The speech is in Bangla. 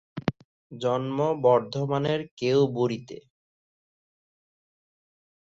জন্ম বর্ধমানের কেউবুড়ীতে।